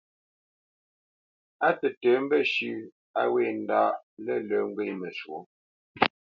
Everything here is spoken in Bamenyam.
Á tətə̌ mbəshʉ̂ a wě ndaʼ lə̂lə̄ ŋgwě məshwǒ.